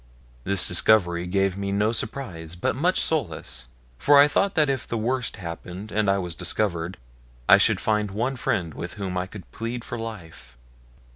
This discovery gave me no surprise but much solace, for I thought that if the worst happened and I was discovered, I should find one friend with whom I could plead for life.